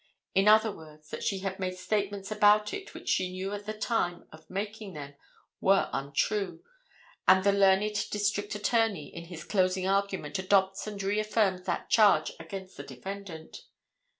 In other words, that she had made statements about it which she knew at the time of making them were untrue, and the learned district attorney, in his closing argument, adopts and reaffirms that charge against the defendant.